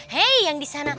hei yang di sana